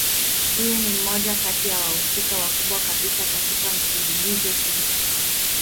Huyu ni mmoja kati ya wahusika wakubwa kabisa katika mfululizo huu.